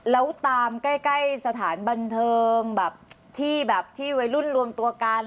แล้วตามใกล้สถานบันเทิงที่รุ่นรวมตัวกัน